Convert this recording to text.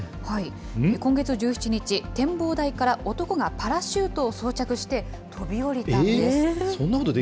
今月１７日、展望台から男がパラシュートを装着して飛び降りたんです。